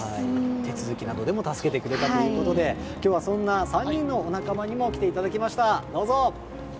手続きなどでも助けてくれたということで今日はそんな３人のお仲間にも来ていただきました。